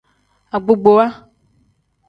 Agbogbowa.